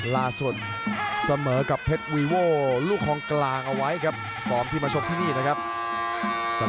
ไวไฟวอร์เพชรพูนครับนายสุภาชัยดีด้วยชาติ